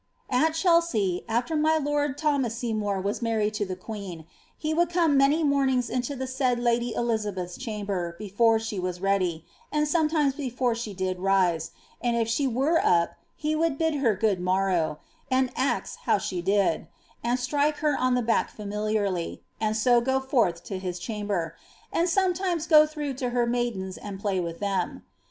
^^ At Chelsea, after my lord Thomas Seymour was married to the queen, he would come many mornings into the said lady Eliabeth^ chamber before she were ready, and sometimes before she did rise, end if she were up he would bid her good morrow, and ax how she didt and strike her on the back familiarly, and so go forth to his chamber, and sometimes go through to Iter maidens and play with them.